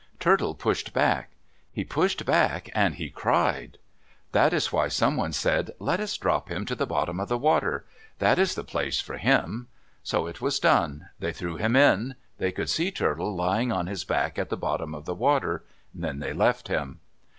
Turtle pushed back—he pushed back, and he cried. That is why someone said, "Let us drop him to the bottom of the water. That is the place for him." So it was done. They threw him in. They could see Turtle lying on his back on the bottom of the water. Then they left him.